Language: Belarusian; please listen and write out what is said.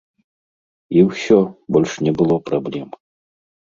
І ўсё, больш не было праблем.